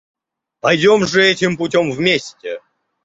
Пойдем же этим путем вместе.